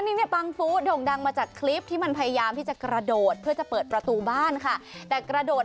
นี่คือเดินคอตกยอมแพ้หรอกหรือยังไง